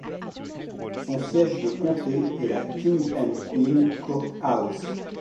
Son siège de comté est la King and Queen Court House.